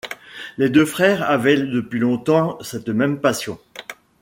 Les deux frères avaient depuis longtemps cette même passion.